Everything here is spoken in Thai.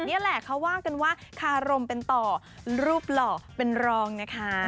นี่แหละเขาว่ากันว่าคารมเป็นต่อรูปหล่อเป็นรองนะคะ